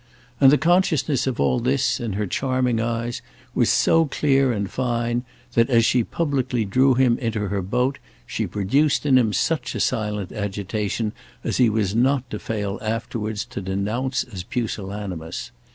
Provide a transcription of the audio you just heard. And the consciousness of all this in her charming eyes was so clear and fine that as she thus publicly drew him into her boat she produced in him such a silent agitation as he was not to fail afterwards to denounce as pusillanimous.